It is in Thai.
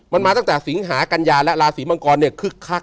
มันมาตั้งแต่สิงหากัญญาและราศีมังกรเนี่ยคึกคัก